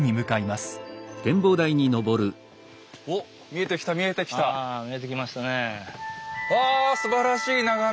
すばらしい眺め！